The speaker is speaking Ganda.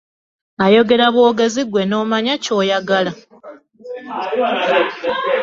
Ayogera bwogezi ggwe n'omanya ky'oyagala.